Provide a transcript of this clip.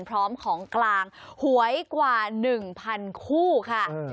พร้อมของกลางหวยกว่า๑๐๐๐คู่ค่ะ